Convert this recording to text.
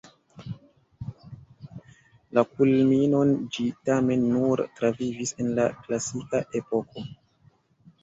La kulminon ĝi tamen nur travivis en la klasika Epoko.